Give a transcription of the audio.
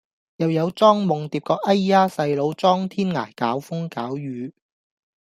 又有莊夢蝶個哎呀細佬莊天涯搞風搞雨